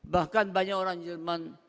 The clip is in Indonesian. bahkan banyak orang jerman